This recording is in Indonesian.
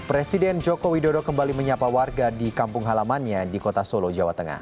presiden joko widodo kembali menyapa warga di kampung halamannya di kota solo jawa tengah